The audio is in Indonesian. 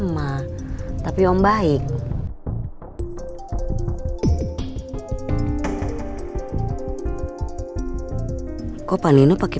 kalau pas gak diam kocha dari gelenek